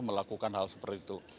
melakukan hal seperti itu